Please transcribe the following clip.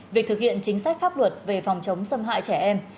việc thực hiện chính sách pháp luật về phòng chống xâm hại trẻ em